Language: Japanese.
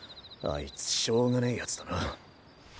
あいつしょうがねぇ奴だな。